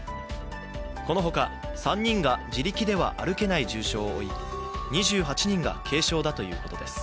このほか、３人が自力では歩けない重傷を負い、２８人が軽傷だということです。